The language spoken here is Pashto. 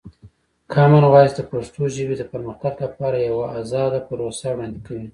کامن وایس د پښتو ژبې د پرمختګ لپاره یوه ازاده پروسه وړاندې کوي.